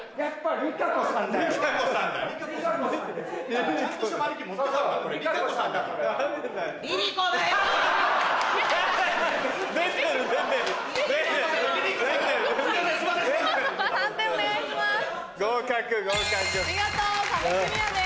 見事壁クリアです。